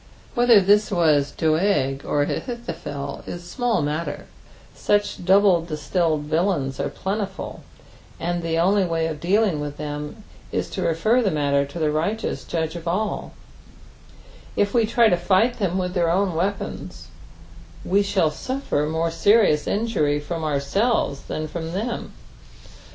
Whether this was Doeg or Ahithophel is small matter, such double distilled villains are plentiful, and the only way of dealing with them is to refer the matter to the righteous Judge of all ; if we try lo fight them with their own weapons, we shall auilTer more serious injiu7 from ourselves than from them.